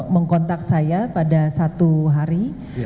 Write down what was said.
mengkontak saya pada satu hari